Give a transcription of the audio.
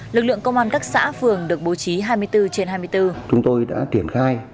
lực lượng công an các xã phường được bố trí hai mươi bốn trên hai mươi bốn